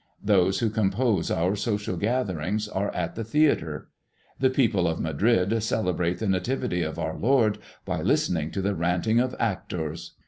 Those who compose our social gatherings are at the theatre. The people of Madrid celebrate the Nativity of our Lord by listening to the ranting of actors.